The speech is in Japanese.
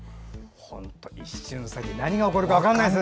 本当に一瞬先何が起こるか分からないですね。